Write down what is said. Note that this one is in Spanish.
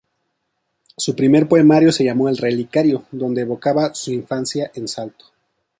Su primer poemario se llamó "El Relicario" donde evocaba su infancia en Salto.